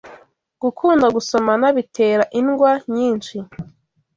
Gukunda gusomana bitera indwa nyinshi